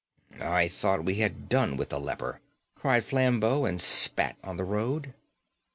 "I thought we had done with the leper," cried Flambeau, and spat on the road.